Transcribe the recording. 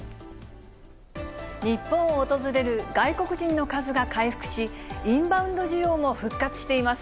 日本を訪れる外国人の数が回復し、インバウンド需要も復活しています。